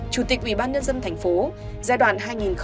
chủ tịch ủy ban nhân dân tp giai đoạn hai nghìn một hai nghìn sáu